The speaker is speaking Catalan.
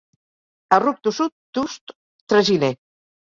A ruc tossut, tust, traginer.